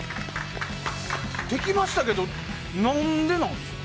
できましたけど何でなんですか。